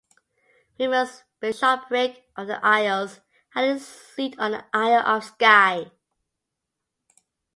Wimund's bishopric of the Isles had its seat on the Isle of Skye.